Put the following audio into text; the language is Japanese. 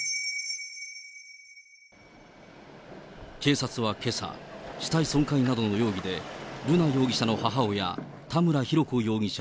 警察はけさ、死体損壊などの容疑で、瑠奈容疑者の母親、田村浩子容疑者